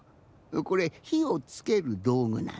これひをつけるどうぐなの。